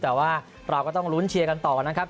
แต่ว่าเราก็ต้องลุ้นเชียร์กันต่อนะครับ